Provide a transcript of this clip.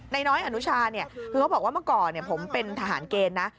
น้อยอนุชาคือเขาบอกว่าเมื่อก่อนผมเป็นทหารเกณฑ์นะ